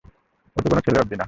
ও তো কোনো ছেলে অবধি না।